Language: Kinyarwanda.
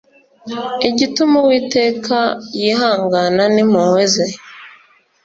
Igituma Uwiteka yihangana nimpuhwe ze